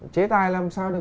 chế tài làm sao được